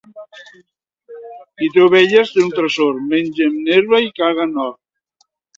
Qui té ovelles té un tresor: mengen herba i caguen or.